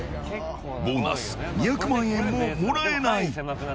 ボーナス２００万円ももらえない。